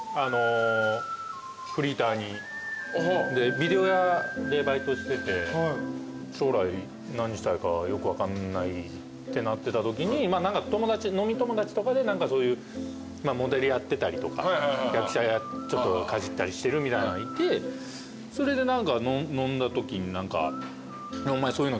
ビデオ屋でバイトしてて将来何したいかよく分かんないってなってたときに飲み友達とかで何かそういうモデルやってたりとか役者ちょっとかじったりしてるみたいなのがいてそれで飲んだときに。